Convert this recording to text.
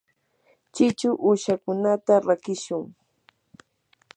chichu uushakunata rakishun.